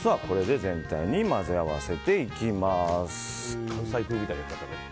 これで全体に混ぜ合わせていきます。